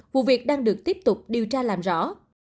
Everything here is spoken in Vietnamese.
vụ việc đang được tiếp tục điều tra làm rõ